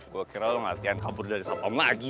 gue kira lo ngelatihan kabur dari sampel lagi